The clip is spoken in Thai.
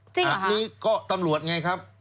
จริงหรือครับอันนี้ก็ตำรวจไงครับ